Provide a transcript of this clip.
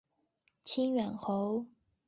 清远侯。